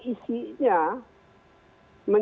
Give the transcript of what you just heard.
keputusan yang dianggap sebagai kebijakan